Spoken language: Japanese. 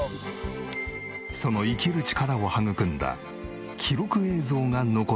その生きる力を育んだ記録映像が残っているという。